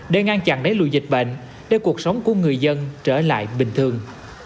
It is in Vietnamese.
để ngăn chặn đáy lùi dịch bệnh để cuộc sống của người dân trở lại bình thường